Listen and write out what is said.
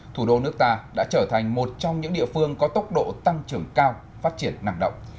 thủ đô nước ta đã trở thành một trong những địa phương có tốc độ tăng trưởng cao phát triển năng động